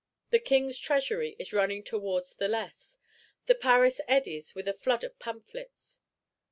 The King's Treasury is running towards the lees; and Paris "eddies with a flood of pamphlets."